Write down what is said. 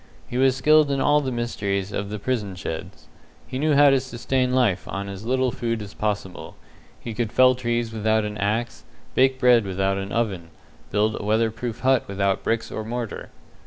He was skilled in all the mysteries of the prison sheds. He knew how to sustain life on as little food as possible. He could fell trees without an axe, bake bread without an oven, build a weatherproof hut without bricks or mortar.